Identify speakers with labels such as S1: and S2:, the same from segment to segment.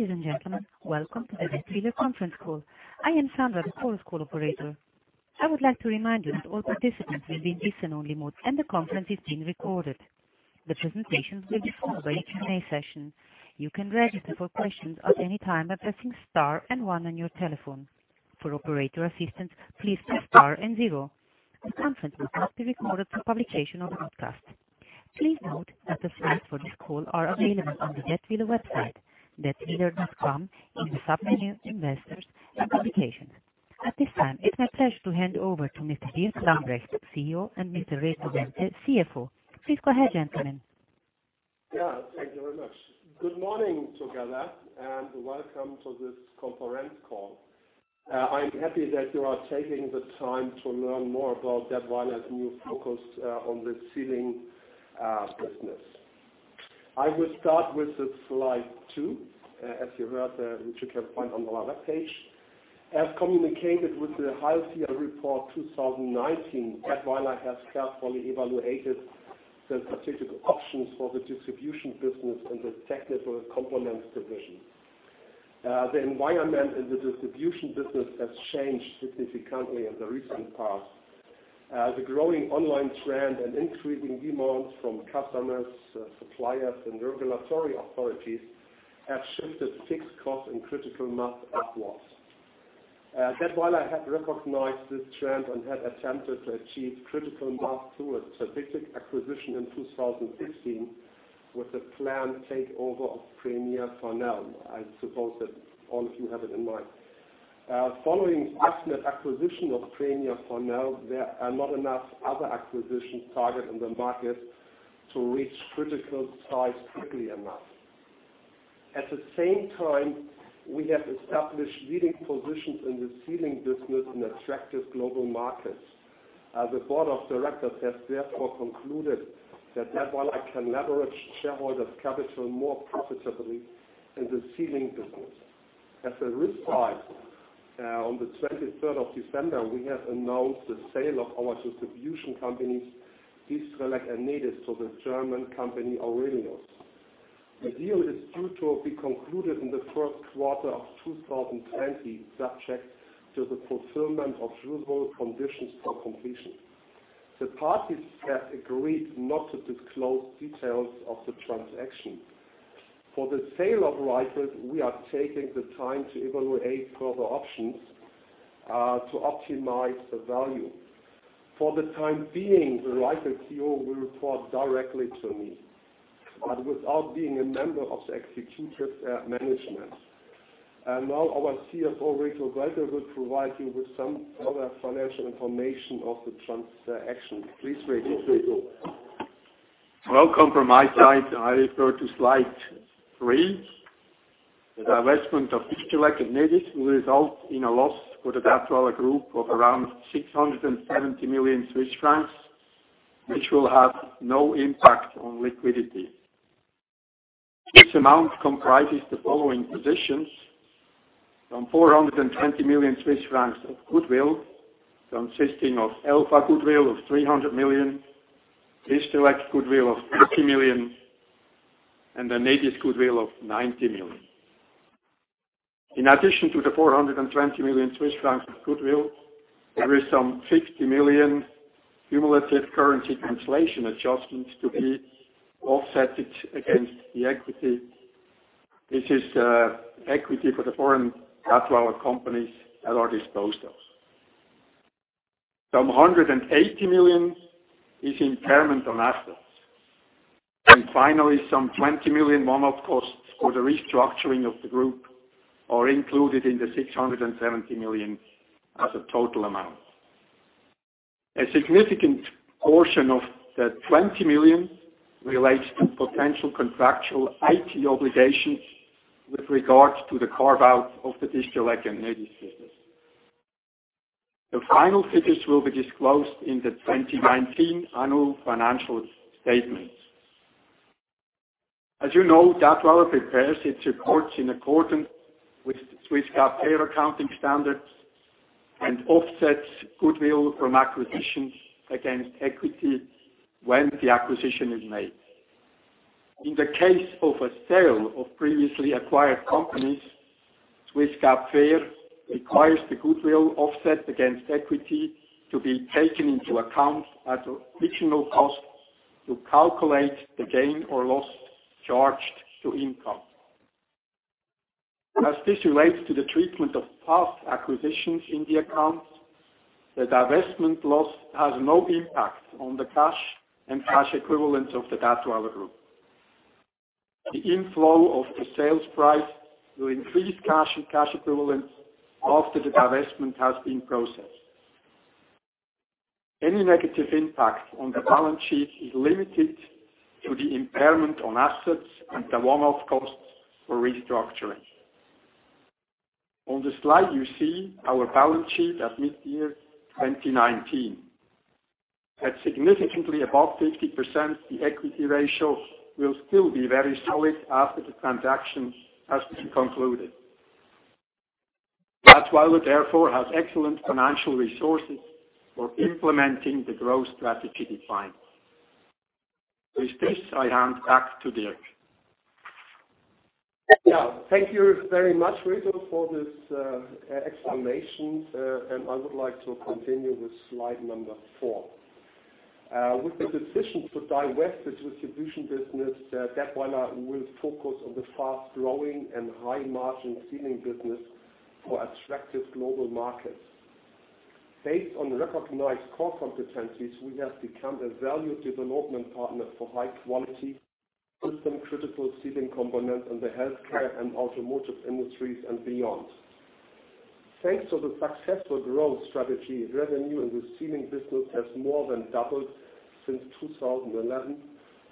S1: Ladies and gentlemen, welcome to the Dätwyler conference call. I am Sandra, the conference call operator. I would like to remind you that all participants will be in listen-only mode, and the conference is being recorded. The presentations will be followed by a Q&A session. You can register for questions at any time by pressing Star and One on your telephone. For operator assistance, please press Star and Zero. The conference is not to be recorded for publication or broadcast. Please note that the slides for this call are available on the Dätwyler website, datwyler.com, in the sub-menu Investors and Publications. At this time, it's my pleasure to hand over to Mr. Dirk Lambrecht, CEO, and Mr. Reto Welti, CFO. Please go ahead, gentlemen.
S2: Yeah, thank you very much. Good morning, together, and welcome to this conference call. I'm happy that you are taking the time to learn more about Dätwyler's new focus on the sealing business. I will start with the slide two, as you heard, which you can find on our webpage. As communicated with the half-year report 2019, Dätwyler has carefully evaluated the strategic options for the distribution business and the Technical Components division. The environment in the distribution business has changed significantly in the recent past. The growing online trend and increasing demands from customers, suppliers, and regulatory authorities have shifted fixed costs and critical mass upwards. Dätwyler had recognized this trend and had attempted to achieve critical mass through a strategic acquisition in 2016 with a planned takeover of Premier Farnell. I suppose that all of you have it in mind. Following the acquisition of Premier Farnell, there are not enough other acquisition targets in the market to reach critical size quickly enough. At the same time, we have established leading positions in the sealing business in attractive global markets. The board of directors has therefore concluded that Dätwyler can leverage shareholders' capital more profitably in the sealing business. As a result, on the 23rd of December, we have announced the sale of our distribution companies, Distrelec and Nedis, to the German company, Aurelius. The deal is due to be concluded in the first quarter of 2020, subject to the fulfillment of usual conditions for completion. The parties have agreed not to disclose details of the transaction. For the sale of Reichelt, we are taking the time to evaluate further options to optimize the value. For the time being, the Reichelt CEO will report directly to me, but without being a member of the executive management. Now our CFO, Reto Welti, will provide you with some other financial information of the transaction. Please, Reto.
S3: Welcome from my side. I refer to slide three. The divestment of Distrelec and Nedis will result in a loss for the Dätwyler Group of around 670 million Swiss francs, which will have no impact on liquidity. This amount comprises the following positions. From 420 million Swiss francs of goodwill, consisting of Elfa goodwill of 300 million, Distrelec goodwill of 30 million, and the Nedis goodwill of 90 million. In addition to the 420 million Swiss francs of goodwill, there is some 50 million cumulative currency translation adjustments to be offsetted against the equity. This is equity for the foreign Dätwyler companies at our disposals. Some 180 million is impairment on assets. Finally, some 20 million one-off costs for the restructuring of the group are included in the 670 million as a total amount. A significant portion of the 20 million relates to potential contractual IT obligations with regards to the carve-out of the Distrelec and Nedis business. The final figures will be disclosed in the 2019 annual financial statements. As you know, Dätwyler prepares its reports in accordance with Swiss GAAP FER accounting standards and offsets goodwill from acquisitions against equity when the acquisition is made. In the case of a sale of previously acquired companies, Swiss GAAP FER requires the goodwill offset against equity to be taken into account at original cost to calculate the gain or loss charged to income. As this relates to the treatment of past acquisitions in the accounts, the divestment loss has no impact on the cash and cash equivalents of the Dätwyler Group. The inflow of the sales price will increase cash and cash equivalents after the divestment has been processed. Any negative impact on the balance sheet is limited to the impairment on assets and the one-off costs for restructuring. On the slide you see our balance sheet at mid-year 2019. At significantly above 50%, the equity ratio will still be very solid after the transaction has been concluded. Dätwyler therefore has excellent financial resources for implementing the growth strategy defined. With this, I hand back to Dirk.
S2: Thank you very much, Reto, for this explanation. I would like to continue with slide number four. With the decision to divest the distribution business, Dätwyler will focus on the fast-growing and high-margin sealing business for attractive global markets. Based on recognized core competencies, we have become a valued development partner for high-quality, system-critical sealing components in the healthcare and automotive industries and beyond. Thanks to the successful growth strategy, revenue in the sealing business has more than doubled since 2011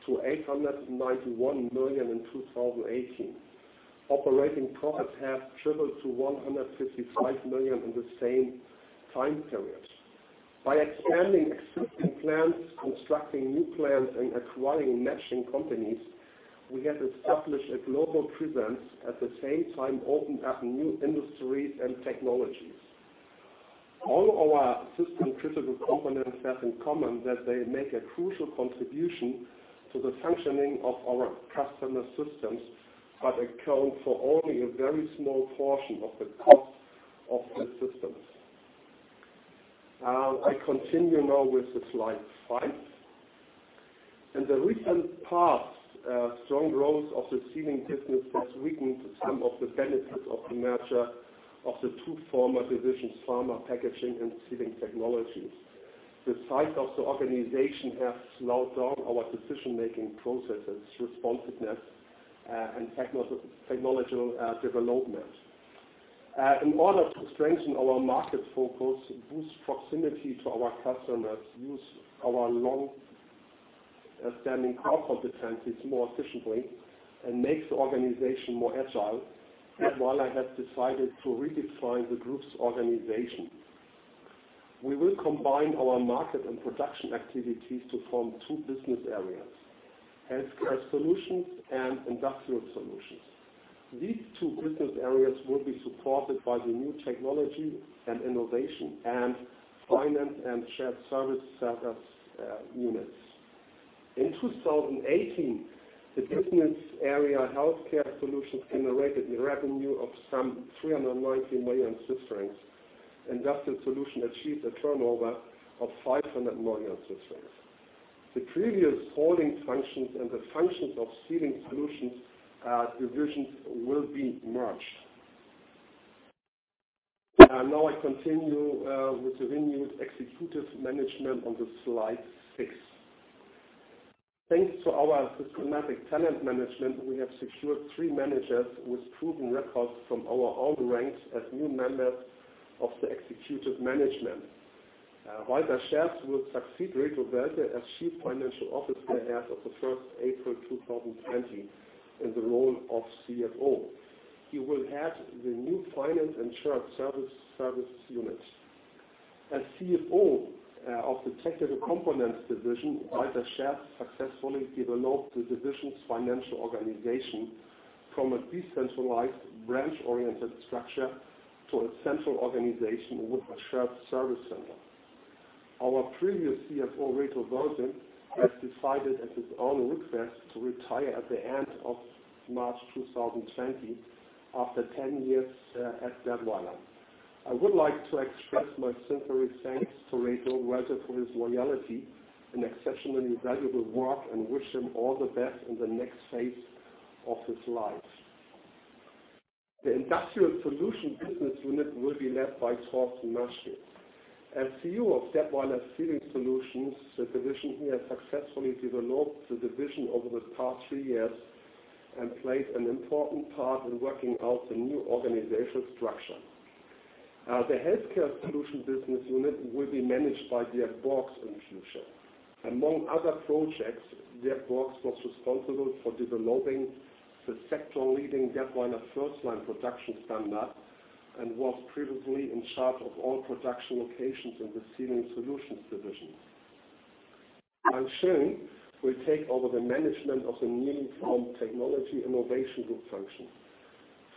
S2: to 891 million in 2018. Operating profits have tripled to 155 million in the same time period. By expanding existing plants, constructing new plants, and acquiring matching companies, we have established a global presence, at the same time opened up new industries and technologies. All our system-critical components have in common that they make a crucial contribution to the functioning of our customer systems, but account for only a very small portion of the cost of the systems. I continue now with the slide five. In the recent past, strong growth of the sealing business has weakened some of the benefits of the merger of the two former divisions, pharma, packaging, and sealing technologies. The size of the organization has slowed down our decision-making processes, responsiveness, and technological development. In order to strengthen our market focus, boost proximity to our customers, use our long-standing core competencies more efficiently, and make the organization more agile, Dätwyler has decided to redefine the group's organization. We will combine our market and production activities to form two business areas, Healthcare Solutions and Industrial Solutions. These two business areas will be supported by the new Technology and Innovation and Finance and Shared Service centers units. In 2018, the business area Healthcare Solutions generated a revenue of some 390 million Swiss francs. Industrial Solutions achieved a turnover of 500 million Swiss francs. The previous holding functions and the functions of Sealing Solutions divisions will be merged. I continue with the renewed executive management on the slide six. Thanks to our systematic talent management, we have secured three managers with proven records from our own ranks as new members of the executive management. Walter Scherz will succeed Reto Welti as Chief Financial Officer as of April 1, 2020 in the role of CFO. He will head the new Finance and Shared Service units. As CFO of the Technical Components division, Walter Scherz successfully developed the division's financial organization from a decentralized branch-oriented structure to a central organization with a shared service center. Our previous CFO, Reto Welti, has decided at his own request to retire at the end of March 2020 after 10 years at Dätwyler. I would like to express my sincere thanks to Reto Welti for his loyalty and exceptionally valuable work and wish him all the best in the next phase of his life. The Industrial Solutions business unit will be led by Torsten Maschke. As CEO of Dätwyler Sealing Solutions, the division he has successfully developed over the past three years and played an important part in working out the new organizational structure. The Healthcare Solutions business unit will be managed by Dirk Borghs in the future. Among other projects, Dirk Borghs was responsible for developing the sector-leading Dätwyler FirstLine production standard and was previously in charge of all production locations in the Sealing Solutions division. Frank Schön will take over the management of the newly formed technology innovation group function.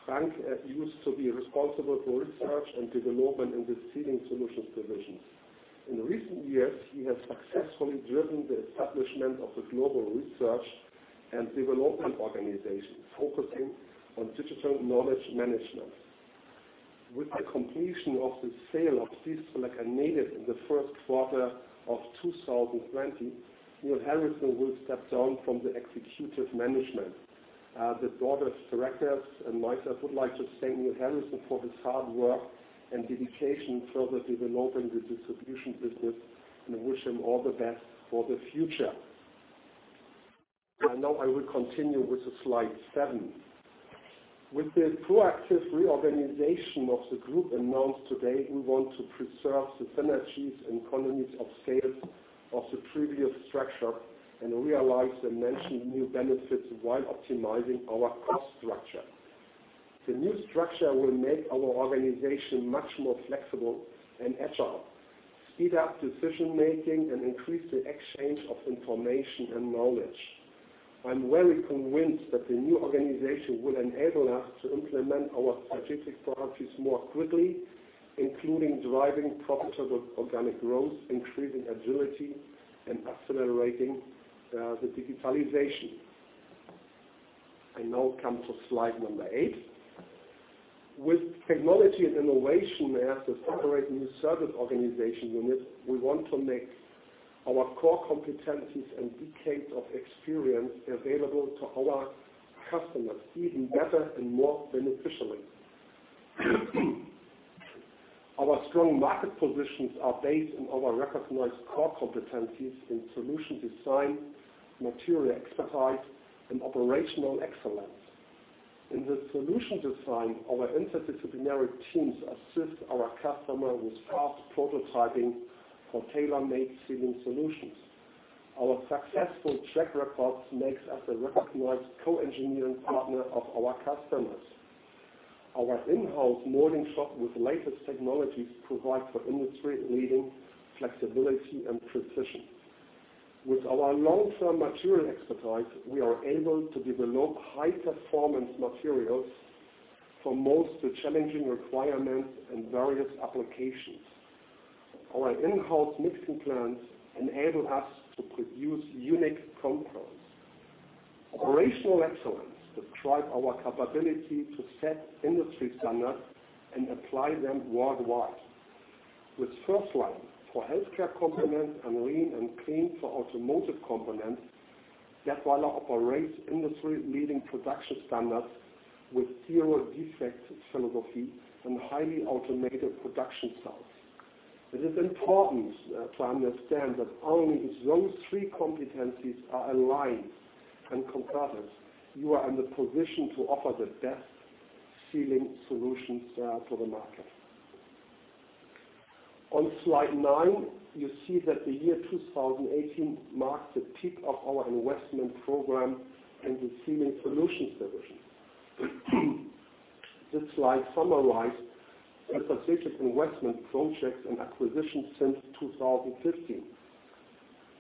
S2: Frank used to be responsible for research and development in the Sealing Solutions division. In recent years, he has successfully driven the establishment of the global research and development organization, focusing on digital knowledge management. With the completion of the sale of Distrelec and Nedis in the first quarter of 2020, Neil Harrison will step down from the executive management. The board of directors and myself would like to thank Neil Harrison for his hard work and dedication in further developing the distribution business, and I wish him all the best for the future. Now I will continue with the slide seven. With the proactive reorganization of the group announced today, we want to preserve the synergies and economies of sales of the previous structure and realize the mentioned new benefits while optimizing our cost structure. The new structure will make our organization much more flexible and agile, speed up decision-making, and increase the exchange of information and knowledge. I'm very convinced that the new organization will enable us to implement our strategic priorities more quickly, including driving profitable organic growth, increasing agility, and accelerating the digitalization. I now come to slide number eight. With technology and innovation as a separate new service organization unit, we want to make our core competencies and decades of experience available to our customers even better and more beneficially. Our strong market positions are based on our recognized core competencies in solution design, material expertise, and operational excellence. In the solution design, our interdisciplinary teams assist our customer with fast prototyping for tailor-made sealing solutions. Our successful track record makes us a recognized co-engineering partner of our customers. Our in-house molding shop with latest technologies provide for industry-leading flexibility and precision. With our long-term material expertise, we are able to develop high-performance materials for most challenging requirements and various applications. Our in-house mixing plants enable us to produce unique compounds. Operational excellence describe our capability to set industry standards and apply them worldwide. With FirstLine for healthcare components, and Lean & Clean for automotive components, Dätwyler operates industry-leading production standards with zero-defect philosophy and highly automated production cells. It is important to understand that only if those three competencies are aligned and combined, you are in the position to offer the best sealing solutions to the market. On slide nine, you see that the year 2018 marked the peak of our investment program in the Sealing Solutions Division. This slide summarizes the strategic investment projects and acquisitions since 2015.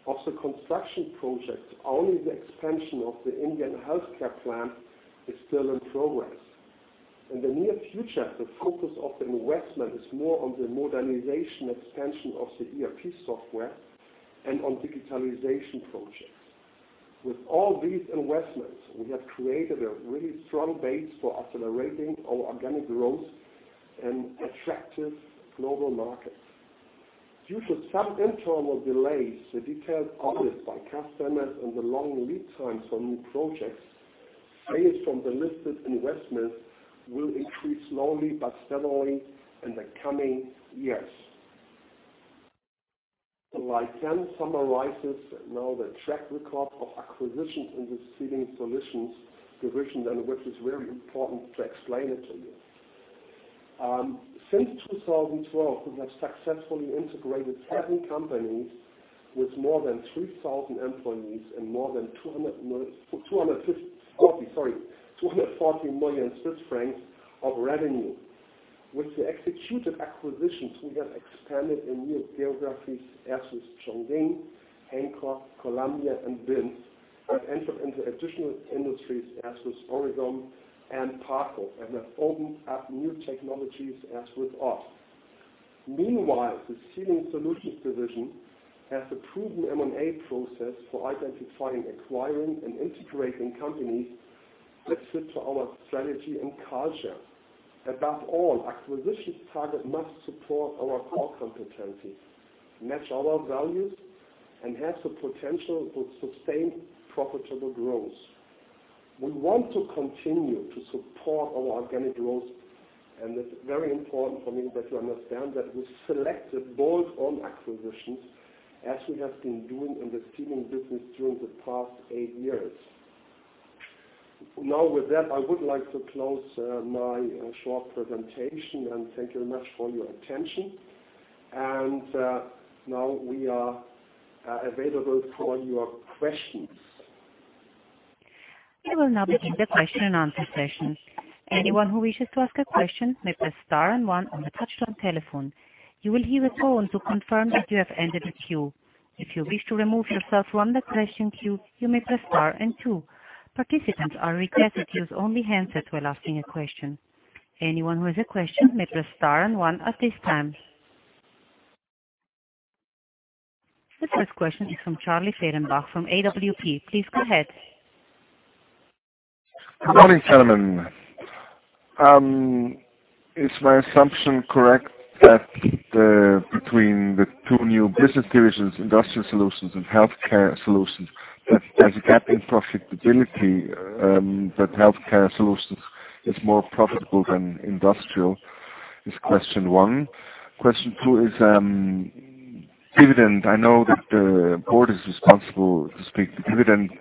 S2: Of the construction projects, only the expansion of the Indian healthcare plant is still in progress. In the near future, the focus of the investment is more on the modernization expansion of the ERP software and on digitalization projects. With all these investments, we have created a really strong base for accelerating our organic growth in attractive global markets. Due to some internal delays, the details published by customers, and the long lead times on new projects, sales from the listed investments will increase slowly but steadily in the coming years. Slide 10 summarizes now the track record of acquisitions in the Sealing Solutions Division and which is very important to explain it to you. Since 2012, we have successfully integrated seven companies with more than 3,000 employees and more than 240 million Swiss francs of revenue. With the executed acquisitions, we have expanded in new geographies as with Chongqing, Hankook, Colombia, and Binz, have entered into additional industries as with Origom and Parco and have opened up new technologies as with Ott. Meanwhile, the Sealing Solutions Division has a proven M&A process for identifying, acquiring, and integrating companies that fit to our strategy and culture. Above all, acquisition targets must support our core competencies, match our values, and have the potential to sustain profitable growth. We want to continue to support our organic growth, it's very important for me that you understand that we selected bolt-on acquisitions as we have been doing in the sealing business during the past eight years. Now, with that, I would like to close my short presentation, thank you very much for your attention. Now we are available for your questions.
S1: We will now begin the question and answer session. Anyone who wishes to ask a question may press star and one on the touch-tone telephone. You will hear a tone to confirm that you have entered the queue. If you wish to remove yourself from the question queue, you may press star and two. Participants are requested to use only handsets when asking a question. Anyone who has a question may press star and one at this time. The first question is from Charlie Fehrenbach from AWP. Please go ahead.
S4: Good morning, gentlemen. Is my assumption correct that between the two new business divisions, Industrial Solutions and Healthcare Solutions, that there's a gap in profitability, that Healthcare Solutions is more profitable than Industrial? Is question one. Question two is dividend. I know that the board is responsible to speak to dividend,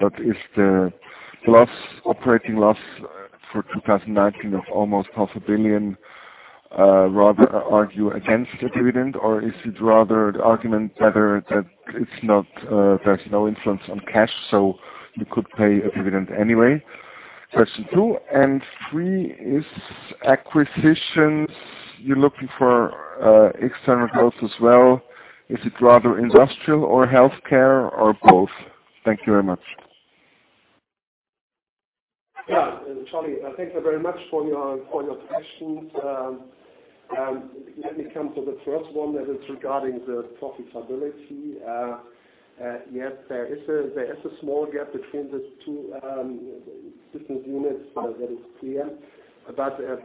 S4: but is the operating loss for 2019 of almost CHF half a billion rather argue against a dividend? Is it rather the argument better that there's no influence on cash, so you could pay a dividend anyway? Question two and three is acquisitions. You're looking for external growth as well. Is it rather Industrial or Healthcare or both? Thank you very much.
S2: Charlie, thank you very much for your questions. Let me come to the first one that is regarding the profitability. There is a small gap between the two business units, that is clear.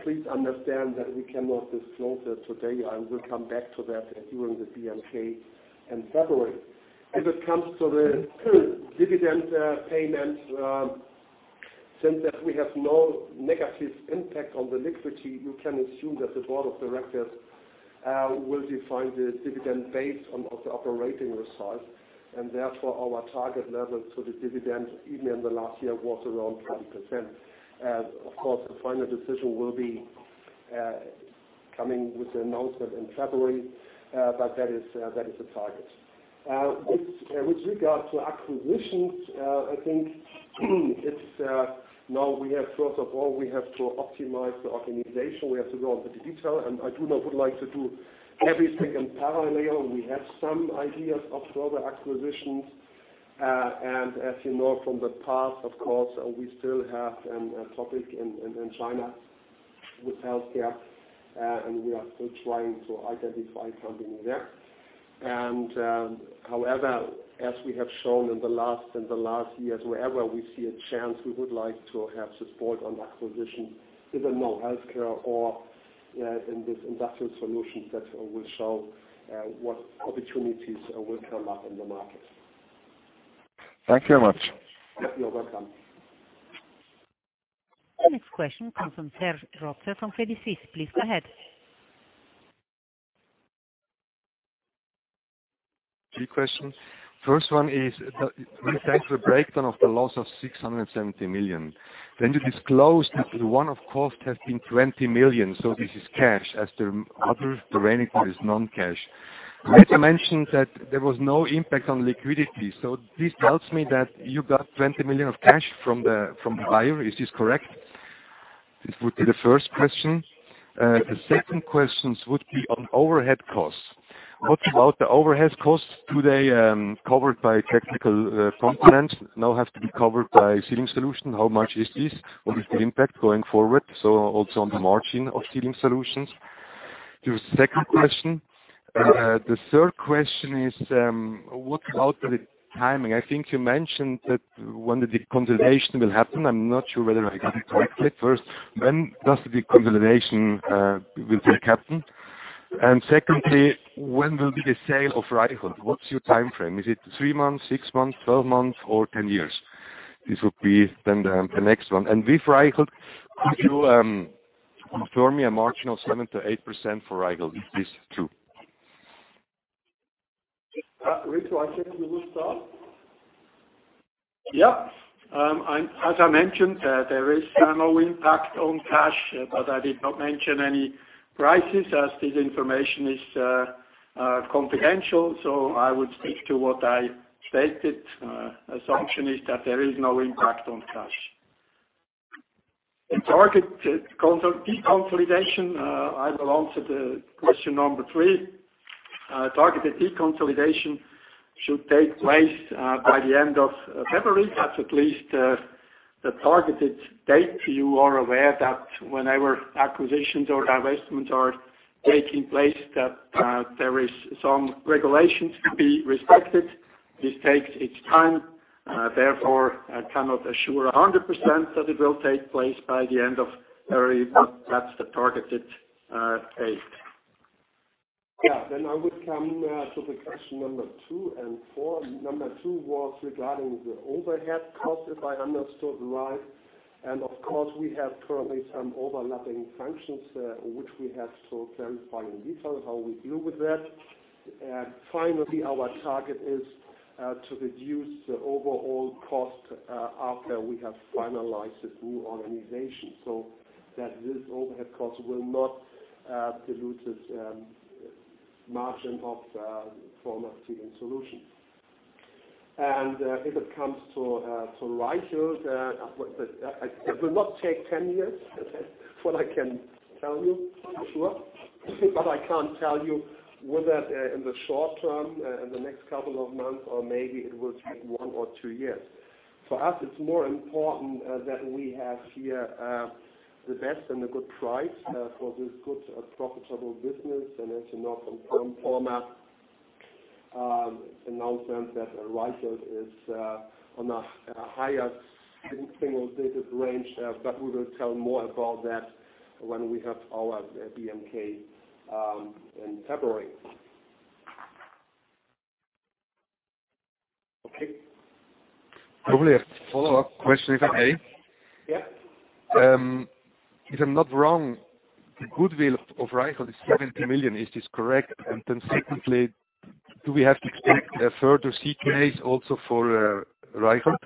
S2: Please understand that we cannot disclose that today. I will come back to that during the BMK in February. If it comes to the dividend payment, since we have no negative impact on the liquidity, you can assume that the board of directors will define the dividend based on the operating results, and therefore our target level to the dividend even in the last year was around 20%. The final decision will be coming with the announcement in February, that is the target. With regard to acquisitions, I think now first of all, we have to optimize the organization. We have to go into the detail. I do not would like to do everything in parallel. We have some ideas of further acquisitions. As you know from the past, of course, we still have a topic in China with healthcare, and we are still trying to identify something there. However, as we have shown in the last years, wherever we see a chance, we would like to have support on acquisitions, even though healthcare or in this Industrial Solutions that will show what opportunities will come up in the market.
S4: Thank you very much.
S2: You're welcome.
S1: Next question comes from Serge Rotzer from Credit Suisse. Please go ahead.
S5: Three questions. First one, we thank the breakdown of the loss of 670 million. You disclosed that one-off costs has been 20 million, so this is cash as the other, the remaining part is non-cash. You also mentioned that there was no impact on liquidity, so this tells me that you got 20 million of cash from the buyer. Is this correct? This would be the first question. The second questions would be on overhead costs. What about the overhead costs? Covered by Technical Components now have to be covered by Sealing Solutions? How much is this? What is the impact going forward, so also on the margin of Sealing Solutions? The second question. The third question is, what about the timing? I think you mentioned that when the deconsolidation will happen, I am not sure whether I got it correctly. First, when does the deconsolidation will take happen? Secondly, when will be the sale of Reichelt? What's your timeframe? Is it three months, six months, 12 months or 10 years? This would be then the next one. With Reichelt, could you confirm me a margin of 7%-8% for Reichelt. Is this true?
S2: Reto, I think you will start.
S3: Yeah. As I mentioned, there is no impact on cash. I did not mention any prices as this information is confidential. I would speak to what I stated. Assumption is that there is no impact on cash. Targeted deconsolidation, I will answer the question number 3. Targeted deconsolidation should take place by the end of February. That's at least the targeted date. You are aware that whenever acquisitions or divestments are taking place, that there is some regulations to be respected. This takes its time. Therefore, I cannot assure 100% that it will take place by the end of February. That's the targeted date.
S2: Yeah. I would come to the question number two and four. Number two was regarding the overhead cost, if I understood right. Of course, we have currently some overlapping functions, which we have to clarify in detail how we deal with that. Finally, our target is to reduce the overall cost, after we have finalized the new organization so that this overhead cost will not dilute its margin of former Sealing Solutions. If it comes to Reichelt, it will not take 10 years what I can tell you for sure, but I cannot tell you whether in the short term, in the next couple of months or maybe it will take one or two years. For us, it is more important that we have here the best and the good price for this good profitable business. As you know from current format announcement that Reichelt is on a higher single-digit range. We will tell more about that when we have our BMK in February. Okay.
S5: I probably have a follow-up question, if I may.
S2: Yeah.
S5: If I'm not wrong, the goodwill of Reichelt is 70 million. Is this correct? Secondly, do we have to expect a further CTAs also for Reichelt?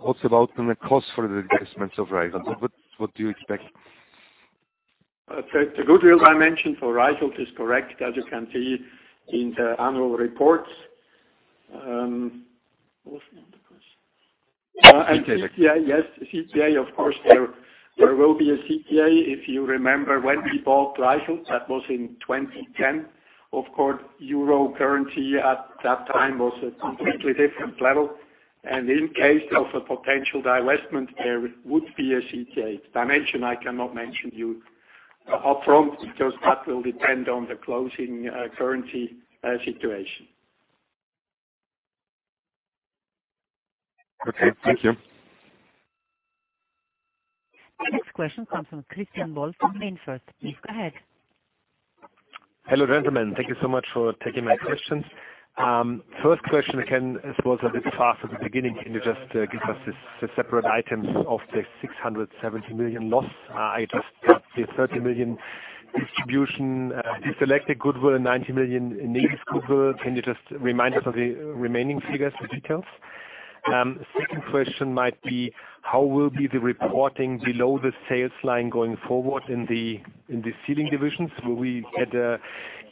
S5: What about the net cost for the divestment of Reichelt? What do you expect?
S3: The goodwill I mentioned for Reichelt is correct. As you can see in the annual report. What was the other question?
S2: CTA.
S3: Yes, CTA, of course, there will be a CTA. If you remember when we bought Reichelt, that was in 2010. Of course, EUR currency at that time was a completely different level, in case of a potential divestment, there would be a CTA dimension. I cannot mention you upfront because that will depend on the closing currency situation.
S2: Okay, thank you.
S1: The next question comes from Christian Wolf from MainFirst. Please go ahead.
S6: Hello, gentlemen. Thank you so much for taking my questions. First question, it was a bit fast at the beginning. Can you just give us the separate items of the 670 million loss? I just got the 30 million distribution, Distrelec goodwill, and 90 million in Nedis goodwill. Can you just remind us of the remaining figures and details? Second question might be, how will be the reporting below the sales line going forward in the Sealing Solutions divisions? Will we get the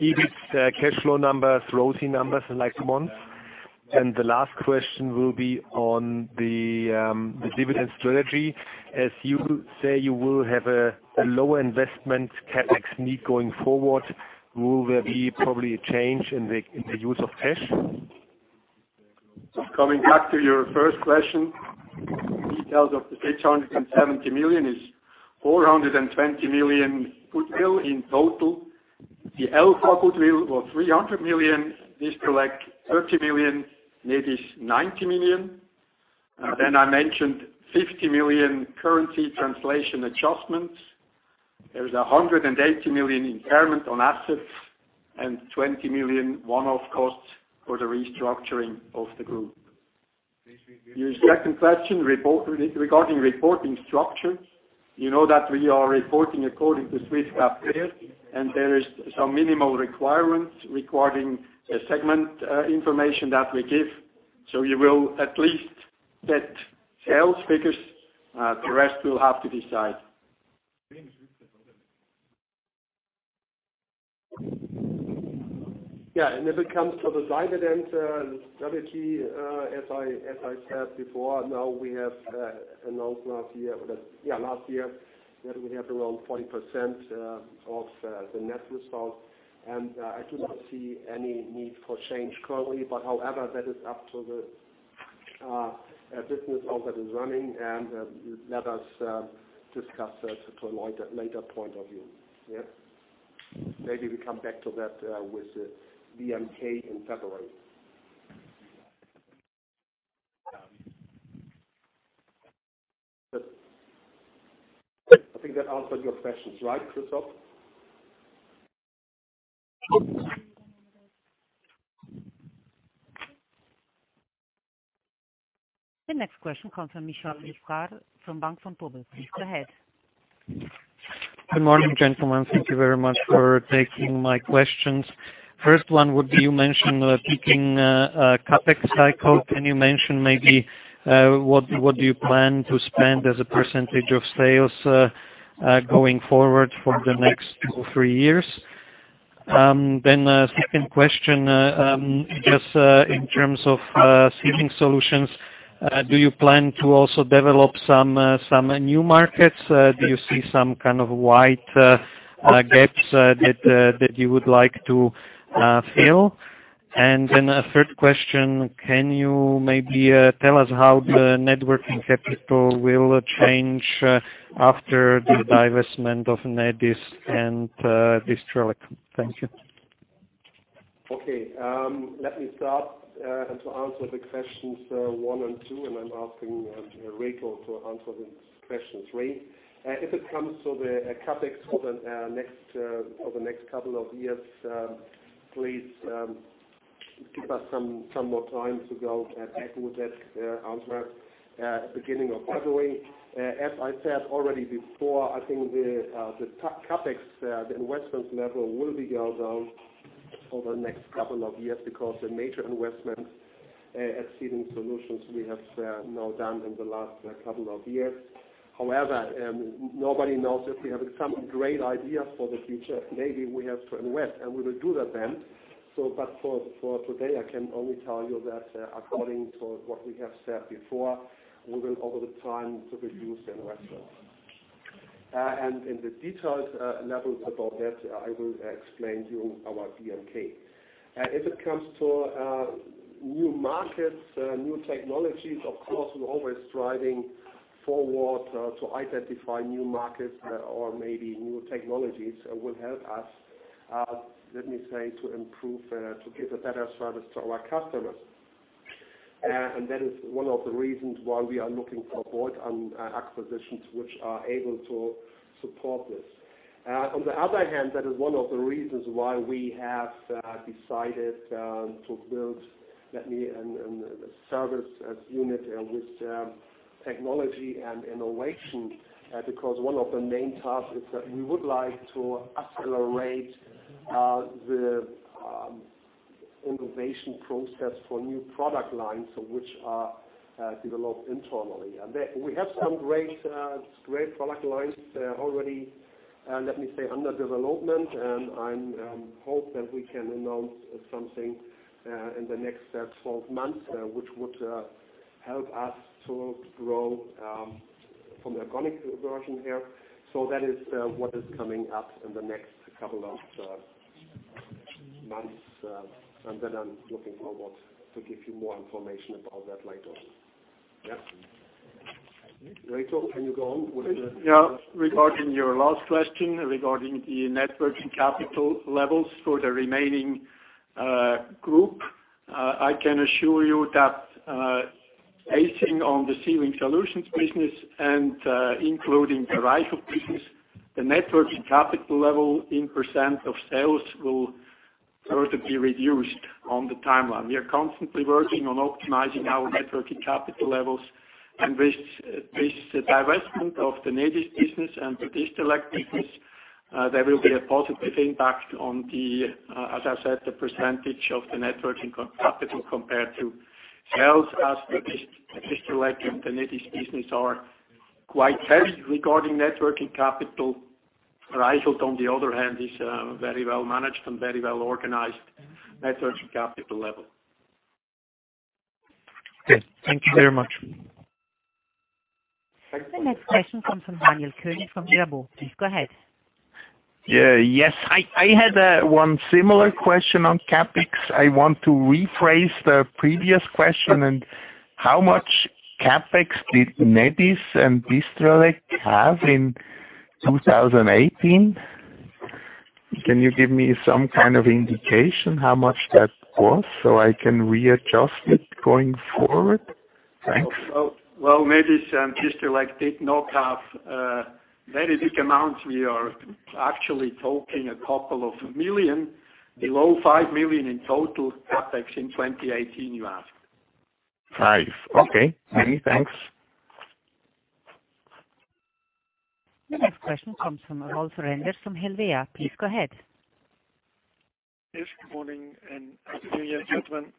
S6: EBIT, cash flow numbers, ROIC numbers in, like, months? The last question will be on the dividend strategy. As you say, you will have a lower investment CapEx need going forward. Will there be probably a change in the use of cash?
S3: Coming back to your first question, details of the 670 million is 420 million goodwill in total. The Elfa goodwill was 300 million. Distrelec, 30 million. Nedis, 90 million. I mentioned 50 million currency translation adjustments. There is 180 million impairment on assets and 20 million one-off costs for the restructuring of the group. Your second question regarding reporting structure, you know that we are reporting according to Swiss GAAP FER, and there is some minimal requirements regarding segment information that we give. You will at least get sales figures. The rest we will have to decide.
S2: Yeah, if it comes to the dividend strategy, as I said before, now we have announced last year that we have around 40% of the net result. I do not see any need for change currently. However, that is up to the business owner who's running, and let us discuss that to a later point of view. Yeah. Maybe we come back to that with the BMK in February. I think that answered your questions right, Christian?
S1: The next question comes from Michal Lichvar from Bank Vontobel. Please go ahead.
S7: Good morning, gentlemen. Thank you very much for taking my questions. First one would be, you mentioned peaking CapEx cycle. Can you mention maybe what do you plan to spend as a percentage of sales going forward for the next two or three years? Second question, just in terms of Sealing Solutions, do you plan to also develop some new markets? Do you see some kind of wide gaps that you would like to fill? A third question, can you maybe tell us how the networking capital will change after the divestment of Nedis and Distrelec? Thank you.
S2: Okay. Let me start to answer the questions one and two, and I'm asking Reto to answer the question three. If it comes to the CapEx for the next couple of years, please give us some more time to go back with that answer at the beginning of February. As I said already before, I think the CapEx, the investments level will be going down over the next couple of years because the major investments at Sealing Solutions we have now done in the last couple of years. However, nobody knows if we have some great ideas for the future. Maybe we have to invest, and we will do that then. For today, I can only tell you that according to what we have said before, we will, over time, reduce investments. The detailed levels about that, I will explain to you about BMK. If it comes to new markets, new technologies, of course, we're always striving forward to identify new markets or maybe new technologies will help us, let me say, to give a better service to our customers. That is one of the reasons why we are looking for bolt-on acquisitions which are able to support this. On the other hand, that is one of the reasons why we have decided to build a service unit with technology and innovation. One of the main tasks is that we would like to accelerate the Innovation process for new product lines, which are developed internally. We have some great product lines already, let me say, under development, and I hope that we can announce something in the next 12 months, which would help us to grow from the organic version here. That is what is coming up in the next couple of months. I'm looking forward to give you more information about that later. Yes. Reto, can you go on with.
S3: Yeah. Regarding your last question, regarding the net working capital levels for the remaining group. I can assure you that basing on the Sealing Solutions business and including the Origom business, the net working capital level in % of sales will further be reduced on the timeline. With this divestment of the Nedis business and the Distrelec business, there will be a positive impact on the, as I said, the % of the net working capital compared to sales as the Distrelec and the Nedis business are quite heavy regarding net working capital. Origom, on the other hand, is very well managed and very well organized net working capital level.
S7: Okay. Thank you very much.
S1: The next question comes from Daniel Koenig from Mirabaud. Please go ahead.
S8: Yes. I had one similar question on CapEx. I want to rephrase the previous question, how much CapEx did Nedis and Distrelec have in 2018? Can you give me some kind of indication how much that was so I can readjust it going forward? Thanks.
S3: Well, Nedis and Distrelec did not have very big amounts. We are actually talking a couple of million, below five million in total CapEx in 2018, you asked.
S8: Five. Okay. Many thanks.
S1: The next question comes from Rolf Renders from Helvea. Please go ahead.
S9: Yes. Good morning and Happy New Year, everyone.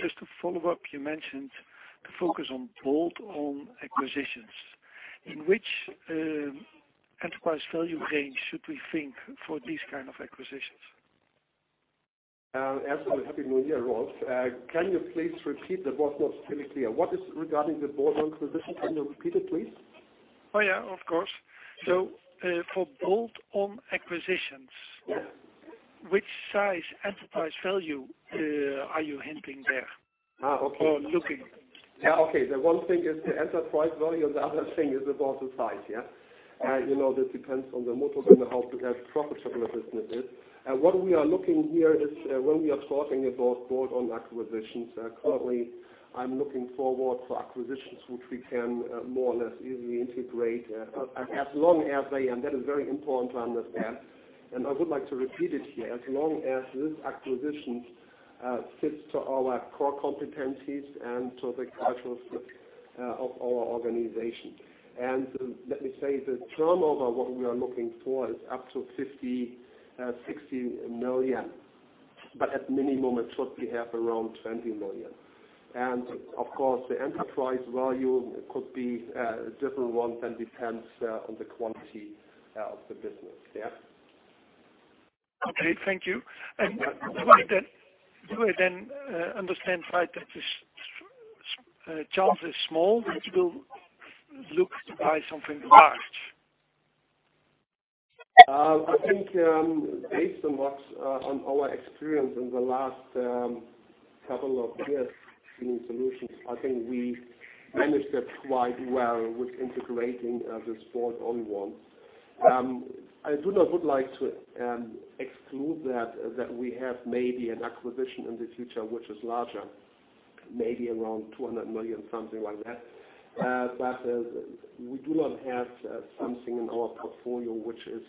S9: Just to follow up, you mentioned the focus on bolt-on acquisitions. In which enterprise value range should we think for these kind of acquisitions?
S2: Happy New Year, Rolf. Can you please repeat? That was not really clear. What is regarding the bolt-on acquisition? Can you repeat it, please?
S9: Oh, yeah. Of course. For bolt-on acquisitions.
S2: Yes.
S9: Which size enterprise value are you hinting there?
S2: Okay.
S9: Looking?
S2: Yeah, okay. The one thing is the enterprise value, and the other thing is about the size, yeah. You know this depends on the model and how profitable the business is. What we are looking here is when we are talking about bolt-on acquisitions, currently, I'm looking forward for acquisitions which we can more or less easily integrate. As long as they, and that is very important to understand, and I would like to repeat it here. As long as this acquisition sits to our core competencies and to the culture of our organization. Let me say, the turnover, what we are looking for is up to 50 million-60 million, but at minimum it should be half around 20 million. Of course, the enterprise value could be a different one and depends on the quantity of the business. Yeah.
S9: Okay. Thank you. Do I then understand right that this chance is small that you will look to buy something large?
S2: I think based on our experience in the last couple of years in solutions, I think we managed that quite well with integrating these bolt-on ones. I would not like to exclude that we have maybe an acquisition in the future, which is larger, maybe around 200 million, something like that. We do not have something in our portfolio, which is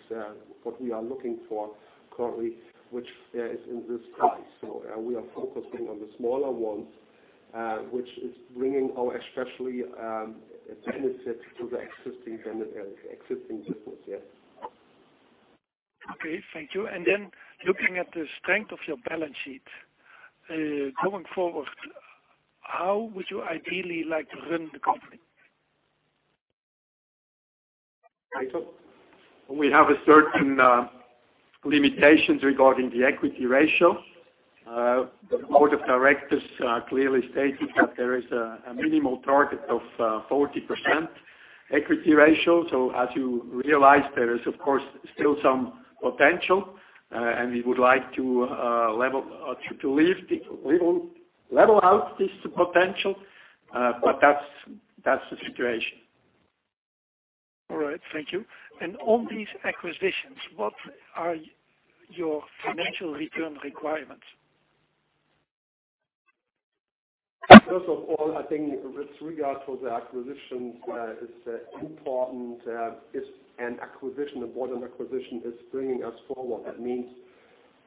S2: what we are looking for currently, which is in this price. We are focusing on the smaller ones, which is bringing our especially benefit to the existing business. Yeah.
S9: Okay. Thank you. Then looking at the strength of your balance sheet, going forward, how would you ideally like to run the company?
S2: Reto?
S3: We have a certain limitations regarding the equity ratio. The board of directors clearly stated that there is a minimal target of 40% equity ratio. As you realize, there is, of course, still some potential. We would like to level out this potential. That's the situation.
S9: All right. Thank you. On these acquisitions, what are your financial return requirements?
S2: First of all, I think with regard to the acquisitions, it's important if an acquisition, a bolt-on acquisition is bringing us forward. That means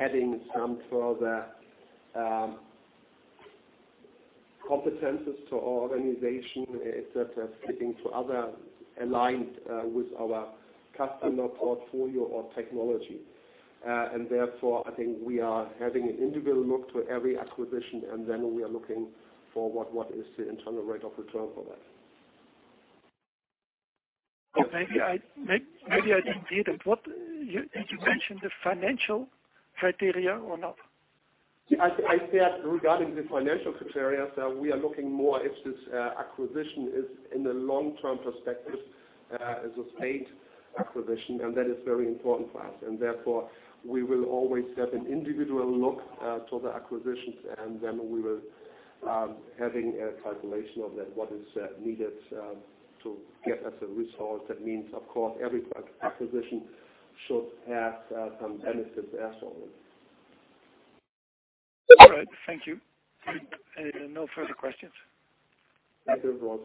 S2: adding some further competencies to our organization, et cetera, fitting to other aligned with our customer portfolio or technology. Therefore, I think we are having an individual look to every acquisition, and then we are looking for what is the internal rate of return for that.
S9: Maybe I didn't get it. Did you mention the financial criteria or not?
S2: I said regarding the financial criteria, we are looking more if this acquisition is in the long-term perspective as a paid acquisition, and that is very important for us. Therefore, we will always have an individual look to the acquisitions, and then we will be having a calculation of that, what is needed to get as a result. That means, of course, every acquisition should have some benefits there for us.
S9: All right. Thank you. No further questions.
S2: Thank you, Rolf.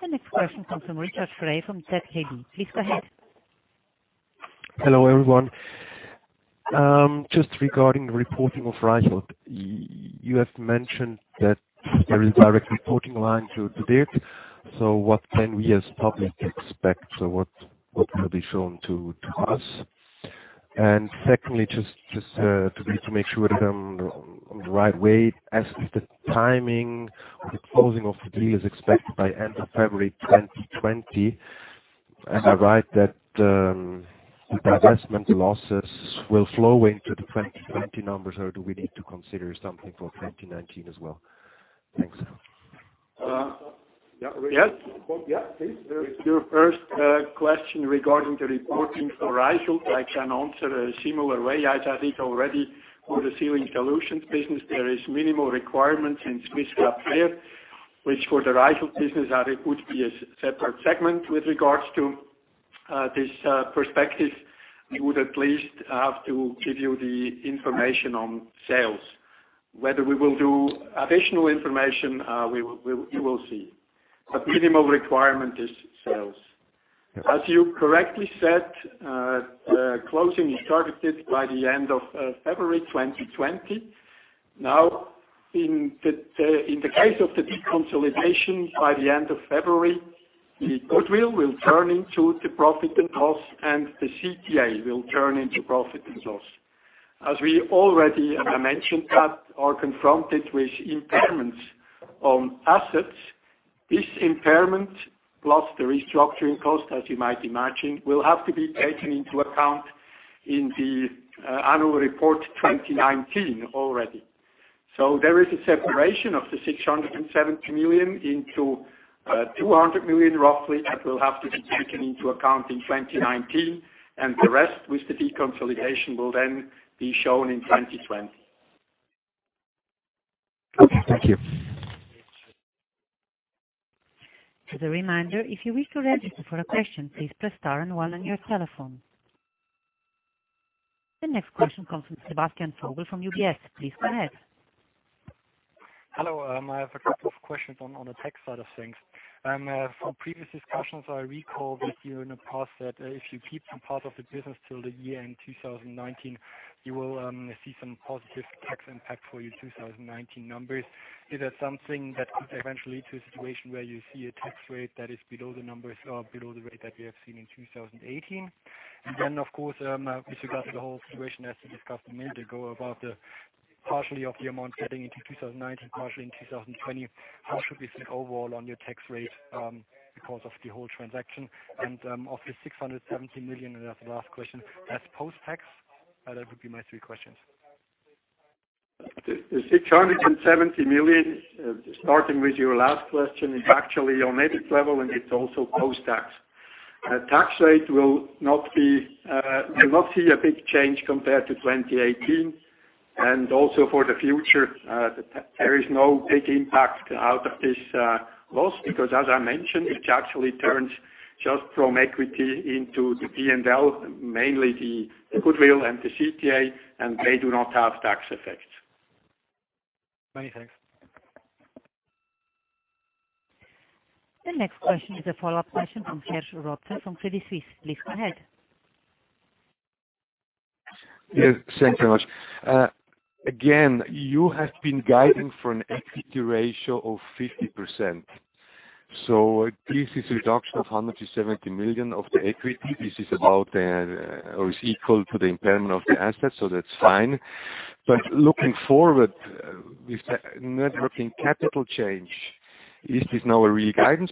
S1: The next question comes from Richard Frey from ZKB. Please go ahead.
S10: Hello, everyone. Just regarding the reporting of Reichelt. You have mentioned that there is direct reporting line to Dirk. What can we as public expect? What will be shown to us? Secondly, just to make sure that I'm on the right way as the timing, the closing of the deal is expected by end of February 2020. Am I right that, the divestment losses will flow into the 2020 numbers, or do we need to consider something for 2019 as well? Thanks.
S2: Yes.
S3: Yes, please. Your first question regarding the reporting for Reichelt, I can answer a similar way as I think already for the Sealing Solutions business. There is minimal requirements in Swiss GAAP FER, which for the Reichelt business, it would be a separate segment with regards to this perspective. We would at least have to give you the information on sales. Whether we will do additional information, we will see. Minimal requirement is sales. As you correctly said, closing is targeted by the end of February 2020. In the case of the deconsolidation, by the end of February, the goodwill will turn into the profit and loss, and the CTA will turn into profit and loss. As we already mentioned that are confronted with impairments on assets. This impairment, plus the restructuring cost, as you might imagine, will have to be taken into account in the annual report 2019 already. There is a separation of the 670 million into 200 million, roughly, that will have to be taken into account in 2019, and the rest with the deconsolidation will then be shown in 2020.
S10: Okay, thank you.
S1: As a reminder, if you wish to register for a question, please press star and one on your telephone. The next question comes from Sebastian Vogel from UBS. Please go ahead.
S11: Hello. I have a couple of questions on the tax side of things. From previous discussions, I recall that you in the past that if you keep some part of the business till the year end 2019, you will see some positive tax impact for your 2019 numbers. Is that something that could eventually lead to a situation where you see a tax rate that is below the numbers or below the rate that we have seen in 2018? Of course, with regards to the whole situation, as you discussed a minute ago, about the partially of the amount getting into 2019, partially in 2020, how should we see overall on your tax rate because of the whole transaction. Of the 670 million, and that's the last question, that's post-tax? That would be my three questions.
S3: The 670 million, starting with your last question, is actually on EBIT level, and it's also post-tax. Tax rate will not see a big change compared to 2018. Also for the future, there is no big impact out of this loss, because as I mentioned, it actually turns just from equity into the P&L, mainly the goodwill and the CTA, and they do not have tax effects.
S11: Many thanks.
S1: The next question is a follow-up question from Serge Rotzer from Credit Suisse. Please go ahead.
S5: Yes, thanks very much. You have been guiding for an equity ratio of 50%. This is a reduction of 100 million-70 million of the equity. This is about or is equal to the impairment of the asset, so that's fine. Looking forward, with the net working capital change, is this now a real guidance?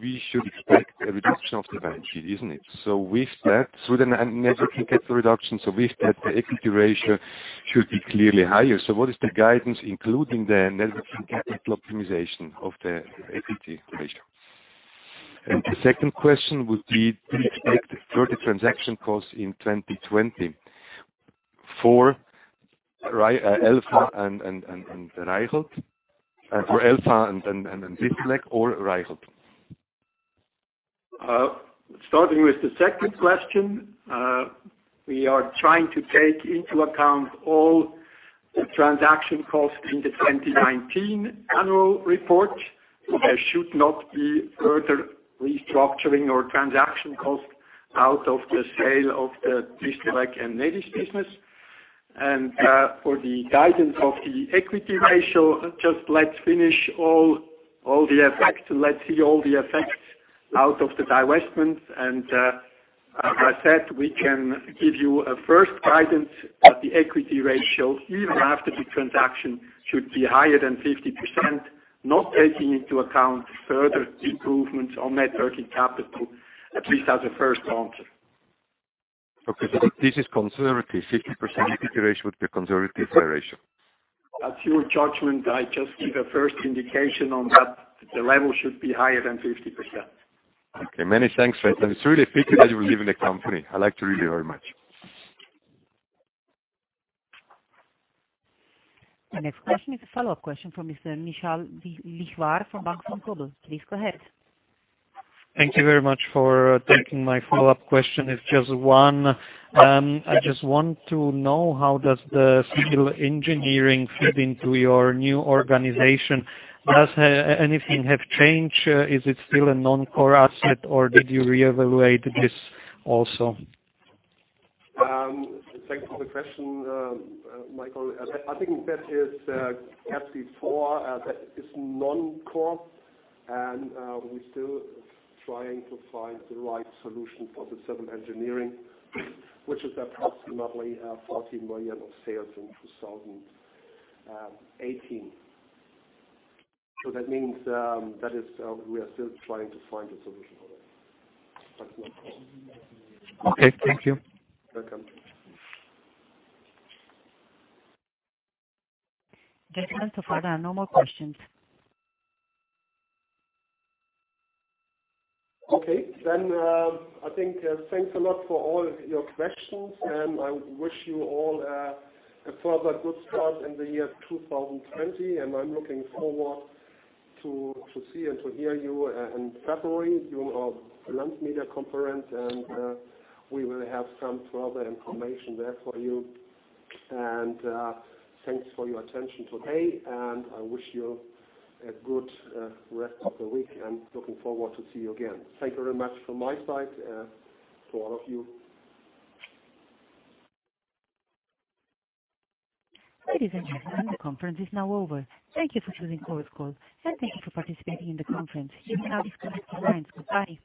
S5: We should expect a reduction of the balance sheet, isn't it? With that, with a net working capital reduction, so with that, the equity ratio should be clearly higher. What is the guidance, including the net working capital optimization of the equity ratio? The second question would be, do you expect further transaction costs in 2020 for Elfa and Reichelt? For Elfa and Distrelec or Reichelt.
S3: Starting with the second question. We are trying to take into account all the transaction costs in the 2019 annual report. There should not be further restructuring or transaction costs out of the sale of the Distrelec and Nedis business. For the guidance of the equity ratio, just let's finish all the effects and let's see all the effects out of the divestments. As I said, we can give you a first guidance that the equity ratio, even after the transaction, should be higher than 50%, not taking into account further improvements on net working capital, at least as a first answer.
S5: Okay. This is conservative, 50% equity ratio would be a conservative ratio.
S3: That's your judgment. I just give a first indication on that. The level should be higher than 50%.
S5: Okay, many thanks. It's really a pity that you are leaving the company. I liked you really very much.
S1: The next question is a follow-up question from Mr. Michal Lichvar from Bank Vontobel. Please go ahead.
S7: Thank you very much for taking my follow-up question. It's just one. I just want to know how does the civil engineering fit into your new organization? Has anything changed? Is it still a non-core asset or did you reevaluate this also?
S2: Thanks for the question, Michal. I think that is as before, that is non-core and we're still trying to find the right solution for the civil engineering, which is approximately 40 million of sales in 2018. That means we are still trying to find a solution for that. That's no problem.
S7: Okay. Thank you.
S3: Welcome.
S1: Mr. Anton, so far there are no more questions.
S2: Okay. I think, thanks a lot for all your questions. I wish you all a further good start in the year 2020. I'm looking forward to see and to hear you in February during our launch media conference. We will have some further information there for you. Thanks for your attention today. I wish you a good rest of the week and looking forward to see you again. Thank you very much from my side, to all of you.
S1: Ladies and gentlemen, the conference is now over. Thank you for choosing Chorus Call, and thank you for participating in the conference. You may disconnect your lines. Bye.